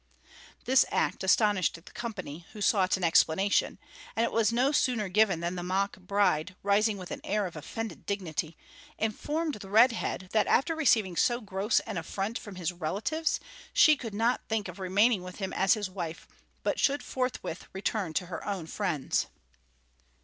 This act astonished the company, who sought an explanation; and it was no sooner given than the mock bride, rising with an air of offended dignity, informed the Red Head that after receiving so gross an affront from his relatives she could not think of remaining with him as his wife, but should forthwith return to her own friends.